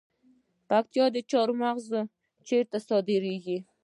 د پکتیا جلغوزي چیرته صادریږي؟